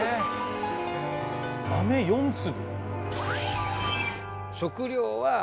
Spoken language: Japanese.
豆４粒？